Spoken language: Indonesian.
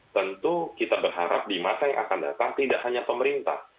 tentu kita berharap di masa yang akan datang tidak hanya pemerintah